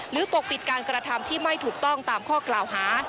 ปกปิดการกระทำที่ไม่ถูกต้องตามข้อกล่าวหา